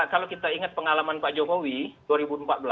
kalau kita ingat pengalaman pak jokowi